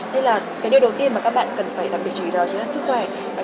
đây là điều đầu tiên mà các bạn cần phải làm việc chủ yếu đó chính là sức khỏe